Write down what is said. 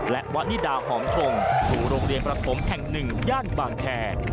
และวันนิดาหอมชงถูกโรงเรียนประธมแห่ง๑ย่านบางแค